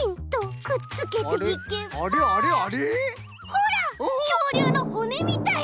ほらきょうりゅうのほねみたい。